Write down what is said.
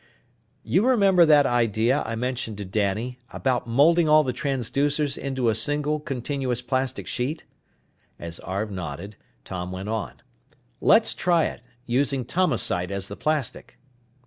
"You remember that idea I mentioned to Danny about molding all the transducers into a single continuous plastic sheet?" As Arv nodded, Tom went on, "Let's try it, using Tomasite as the plastic."